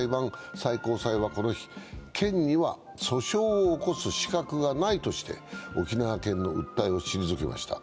最高裁はこの日、県には訴訟を起こす資格がないとして、沖縄県の訴えを退けました。